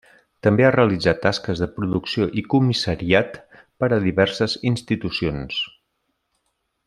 També ha realitzat tasques de producció i comissariat per a diverses institucions.